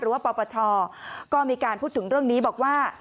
ว่าปปชก็มีการพูดถึงเรื่องนี้บอกว่า